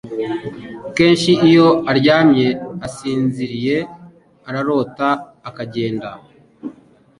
Kenshi iyo aryamye asinziriye ararota akagenda